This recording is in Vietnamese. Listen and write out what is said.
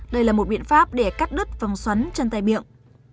đây là một biện pháp để cắt đứt vòng xoắn chân tay miệng